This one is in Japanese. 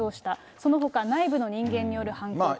そのほか内部の人間による犯行と。